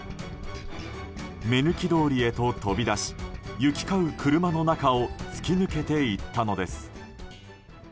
目抜き通りへと飛び出し行き交う車の中を突き抜けていったのです。